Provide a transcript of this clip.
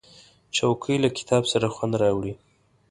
چوکۍ له کتاب سره خوند راوړي.